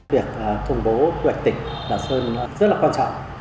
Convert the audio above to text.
việc công bố quy hoạch tỉnh lạng sơn rất là quan trọng